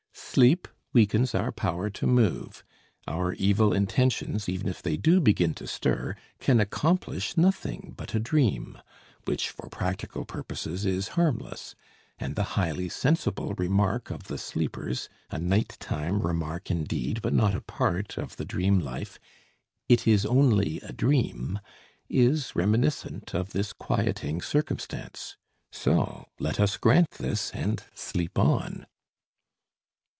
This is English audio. Sleep weakens our power to move; our evil intentions, even if they do begin to stir, can accomplish nothing but a dream, which for practical purposes is harmless, and the highly sensible remark of the sleepers, a night time remark indeed, but not a part of the dream life, "it is only a dream," is reminiscent of this quieting circumstance. So let us grant this, and sleep on.